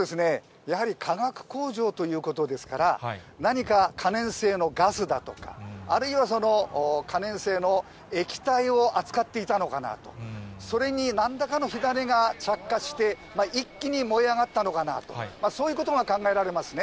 やはり化学工場ということですから、何か可燃性のガスだとか、あるいは可燃性の液体を扱っていたのかなと、それになんらかの火種が着火して、一気に燃え上がったのかなと、そういうことが考えられますね。